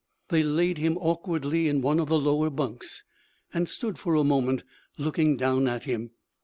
They laid him awkwardly in one of the lower bunks, and stood for a moment looking down at him.